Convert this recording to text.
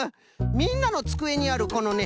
みんなのつくえにあるこのね